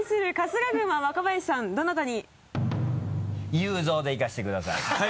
雄三でいかせてください。